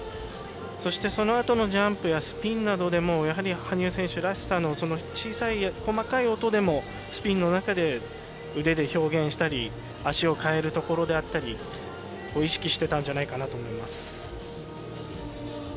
そしてそのあとのジャンプやスピンなどでも羽生選手らしい小さい、細かい音でもスピンの中で腕で表現したり足を替えるところだったりを意識していたんじゃないかなと思います。